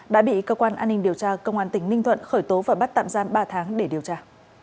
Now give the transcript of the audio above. đã bị cơ quan an ninh điều tra công an tỉnh ninh thuận khởi tố và bắt tạm giam ba tháng để điều tra